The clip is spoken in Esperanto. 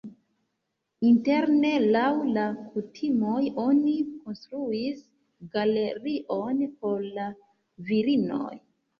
Interne laŭ la kutimoj oni konstruis galerion por la virinoj.